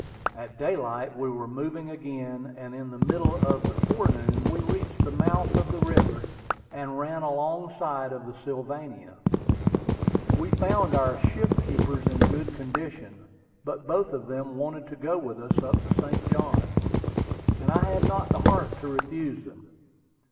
At daylight we were moving again, and in the middle of the forenoon we reached the mouth of the river, and ran alongside of the Sylvania. We found our ship keepers in good condition; but both of them wanted to go with us up the St. Johns, and I had not the heart to refuse them.